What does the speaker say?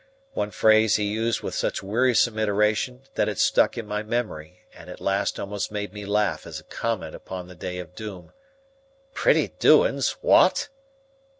One phrase he used with such wearisome iteration that it stuck in my memory and at last almost made me laugh as a comment upon the day of doom. "Pretty doin's! What!"